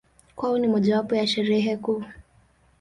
Kwao ni mojawapo ya Sherehe kuu.